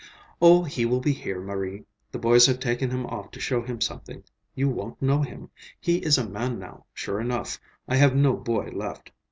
"Oh, he will be here, Marie. The boys have taken him off to show him something. You won't know him. He is a man now, sure enough. I have no boy left.